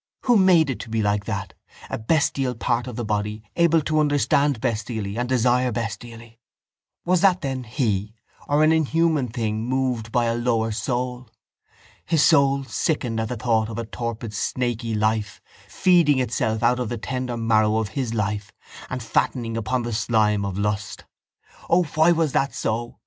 Who made it to be like that, a bestial part of the body able to understand bestially and desire bestially? Was that then he or an inhuman thing moved by a lower soul? His soul sickened at the thought of a torpid snaky life feeding itself out of the tender marrow of his life and fattening upon the slime of lust. O why was that so?